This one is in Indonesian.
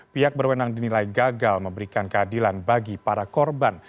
pihak berwenang dinilai gagal memberikan keadilan bagi para korban